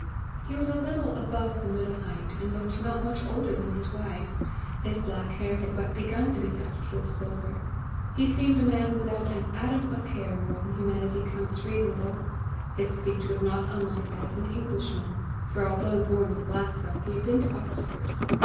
He was a little above the middle height, and looked not much older than his wife; his black hair had but begun to be touched with silver; he seemed a man without an atom of care more than humanity counts reasonable; his speech was not unlike that of an Englishman, for, although born in Glasgow, he had been to Oxford.